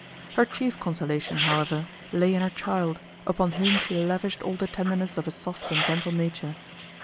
Her chief consolation, however, lay in her child, upon whom she lavished all the tenderness of a soft and gentle nature.